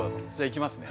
いきますね。